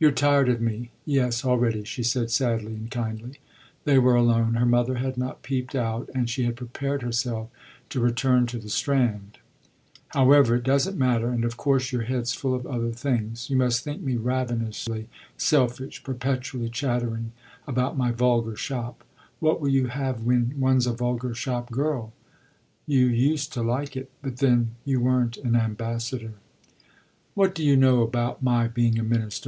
"You're tired of me yes, already," she said sadly and kindly. They were alone, her mother had not peeped out and she had prepared herself to return to the Strand. "However, it doesn't matter and of course your head's full of other things. You must think me ravenously selfish perpetually chattering about my vulgar shop. What will you have when one's a vulgar shop girl? You used to like it, but then you weren't an ambassador." "What do you know about my being a minister?"